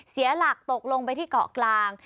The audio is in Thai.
เสียหลักตกลงไปที่เกาะกลาง